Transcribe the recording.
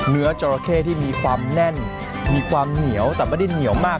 จราเข้ที่มีความแน่นมีความเหนียวแต่ไม่ได้เหนียวมาก